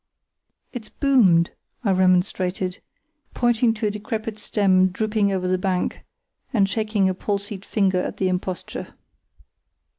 "It's boomed," I remonstrated, pointing to a decrepit stem drooping over the bank, and shaking a palsied finger at the imposture.